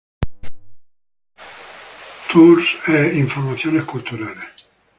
Tours y Informaciones Culturales